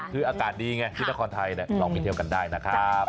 คืออากาศดีไงที่นครไทยลองไปเที่ยวกันได้นะครับ